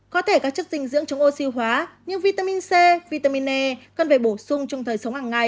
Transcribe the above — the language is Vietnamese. có thể các chất dinh dưỡng chống oxy hóa như vitamin c vitamin e cần phải bổ sung trong thời sống hàng ngày